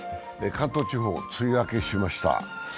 関東地方、梅雨明けしました。